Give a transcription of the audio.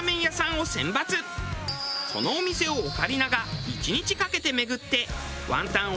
そのお店をオカリナが１日かけて巡ってワンタンを食べまくり